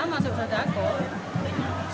ya masih bisa dapet